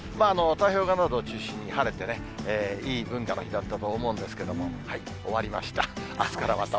太平洋側などを中心に晴れてね、いい文化の日だったと思うんですけども、終わりました。